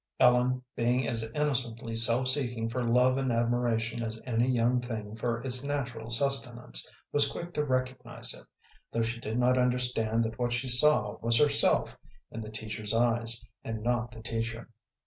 Ellen being as innocently self seeking for love and admiration as any young thing for its natural sustenance, was quick to recognize it, though she did not understand that what she saw was herself in the teacher's eyes, and not the teacher.